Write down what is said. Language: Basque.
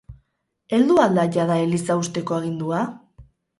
Heldu al da jada eliza husteko agindua?